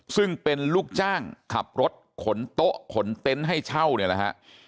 ซึ่งเป็นลูกจ้างขับรถขนโต๊ะขนเต็นต์ให้เช่าเนี่ยแหละฮะ